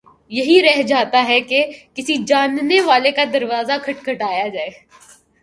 یہی رہ جاتا ہے کہ کسی جاننے والے کا دروازہ کھٹکھٹایا جائے۔